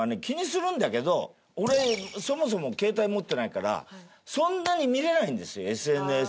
気にするんだけど俺そもそも携帯持ってないからそんなに見れないんですよＳＮＳの。